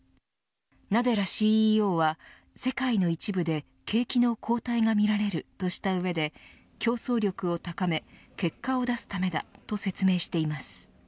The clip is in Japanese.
ナデラＣＥＯは世界の一部で景気の後退が見られるとした上で競争力を高め結果をだすためだと説明しています。